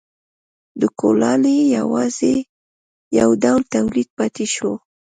د کولالۍ یوازې یو ډول تولید پاتې شو.